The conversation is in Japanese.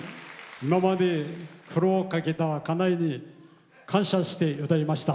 今まで苦労かけた家内に感謝して歌いました。